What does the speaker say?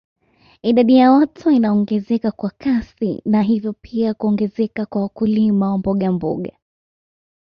Idadi ya watu inaongezeka kwa kasi na hivyo pia kuongezeka kwa wakulima wa mbogamboga